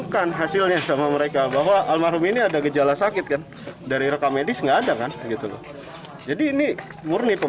dan informasi dalamanan timerald bodo indere